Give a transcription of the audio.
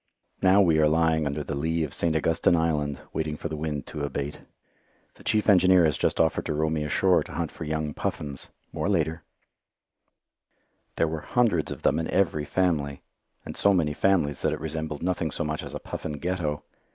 Now we are lying under the lea of St. Augustine Island waiting for the wind to abate. The chief engineer has just offered to row me ashore to hunt for young puffins. More later. [Illustration: A PUFFIN GHETTO] There were hundreds of them in every family, and so many families that it resembled nothing so much as a puffin ghetto.